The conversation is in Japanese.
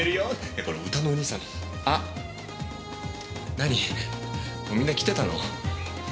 何みんな来てたの。